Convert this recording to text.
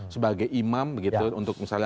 sebagai imam untuk misalnya